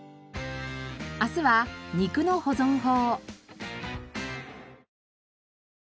明日は肉の保存法。